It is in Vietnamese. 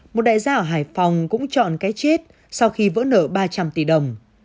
một đại gia ở hải phòng cũng chọn cái chết sau khi vỡ nợ ba trăm linh tỷ đồng